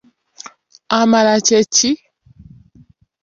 Amala kye ki?